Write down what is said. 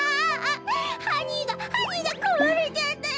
ハニーがハニーがこわれちゃったよ！